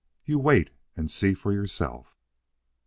You wait and see for yourself."